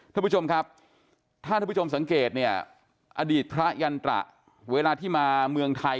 ท่านผู้ชมครับถ้าท่านผู้ชมสังเกตเนี่ยอดีตพระยันตระเวลาที่มาเมืองไทย